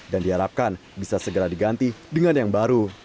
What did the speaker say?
dan diharapkan bisa segera diganti dengan yang baru